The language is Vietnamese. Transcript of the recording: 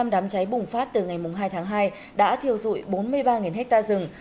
một trăm sáu mươi năm đám cháy bùng phát từ ngày hai tháng hai đã thiêu dụi bốn mươi ba hectare rừng